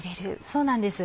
そうなんです。